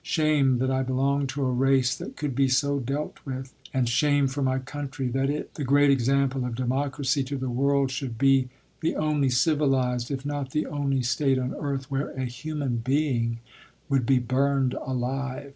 Shame that I belonged to a race that could be so dealt with; and shame for my country, that it, the great example of democracy to the world, should be the only civilized, if not the only state on earth, where a human being would be burned alive.